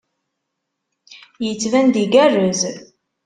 Yettban-d igerrez.